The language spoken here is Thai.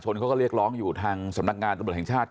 ที่คนนี้คนเขาก็เรียกร้องอยู่ทางซำนักงานของปลอบบุรติแห่งชาติ